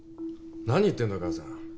何言ってんだ母さん。